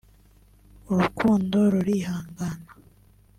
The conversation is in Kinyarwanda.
urukundo rurihangana